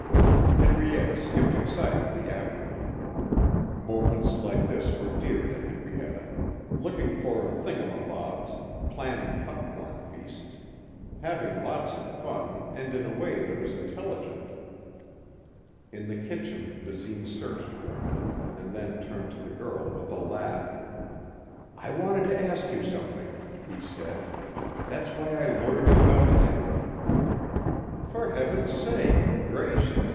Henrietta skipped excitedly after him. Moments like this were dear to Henrietta. Looking for thingumabobs, planning popcorn feasts, having lots of fun and in a way that was intelligent. In the kitchen Basine searched for a minute and then turned to the girl with a laugh. "I wanted to ask you something," he said. "That's why I lured you out again." "For heaven's sake! Gracious!